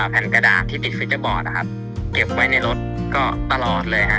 แผ่นกระดาษที่ปิดฟินเก็บไว้ในรถตลอดเลย